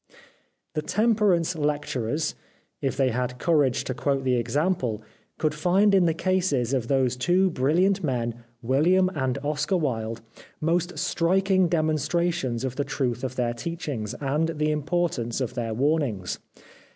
The temperance lecturers, if they had the 335 The Life of Oscar Wilde courage to quote the example, could find in the cases of those two brilliant men, WilHam and Oscar Wilde, most striking demonstrations of the truth of their teachings, and the importance of their warnings.